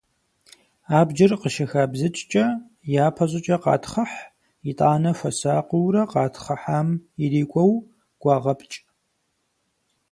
Абджыр къыщыхабзыкӏкӏэ, япэ щӏыкӏэ къатхъыхь, итӏанэ хуэсакъыурэ къэтхъыхьам ирикӏуэу гуагъэпкӏ.